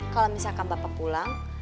kalau misalkan bapak pulang